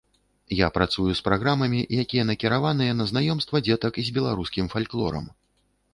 Я працую з праграмамі, якія накіраваныя на знаёмства дзетак з беларускім фальклорам.